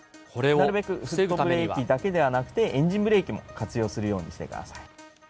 なるべくフットブレーキだけではなくて、エンジンブレーキも活用するようにしてください。